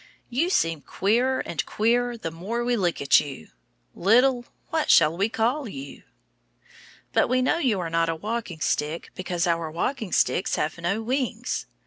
You seem queerer and queerer the more we look at you, little what shall we call you. But we know you are not a walking stick because our walking sticks have no wings.